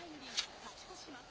勝ち越します。